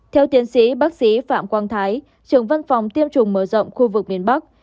theo tiến sĩ bác sĩ phạm quang thái trưởng văn phòng tiêm chủng mở rộng khu vực miền bắc